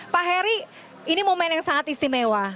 pak heri ini momen yang sangat istimewa